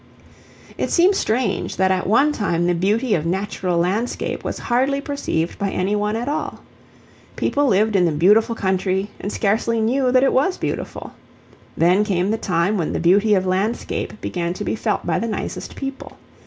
It seems strange that at one time the beauty of natural landscape was hardly perceived by any one at all. People lived in the beautiful country and scarcely knew that it was beautiful. Then came the time when the beauty of landscape began to be felt by the nicest people.